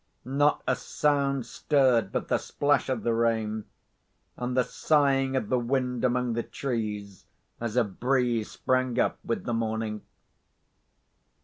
Not a sound stirred but the splash of the rain, and the sighing of the wind among the trees as a breeze sprang up with the morning.